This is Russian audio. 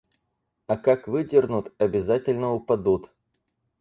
А как выдернут, обязательно упадут.